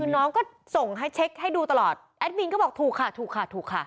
น้องก็ส่งให้เช็คให้ดูตลอดแอดมินก็บอกถูกค่ะถูกค่ะถูกค่ะ